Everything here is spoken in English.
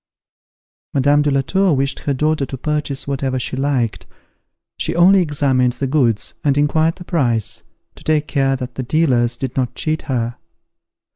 Madame de la Tour wished her daughter to purchase whatever she liked; she only examined the goods, and inquired the price, to take care that the dealers did not cheat her.